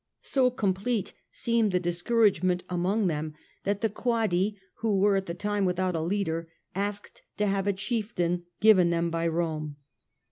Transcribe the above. So complete seemed the discouragement among them that the Quadi, who were at the time without a leader, asked to have a chieftain given them by Rome.